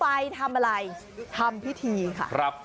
ไปทำอะไรทำพิธีค่ะครับ